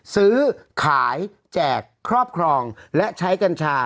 ซื้อขายแจกครอบครองและใช้กัญชา